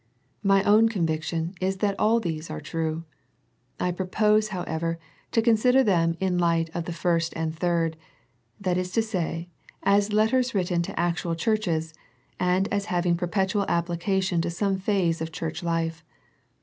My own conviction is that all these are true. I propose however, to consider them in the light of the first and third, ' that is to say, as letters written to actual churches, and as having perpetual application to some phase of Church life.